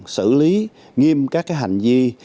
xử lý nghiêm các hành vi